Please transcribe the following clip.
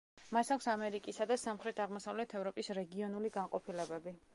მას აქვს ამერიკისა და სამხრეთ–აღმოსავლეთ ევროპის რეგიონული განყოფილებები.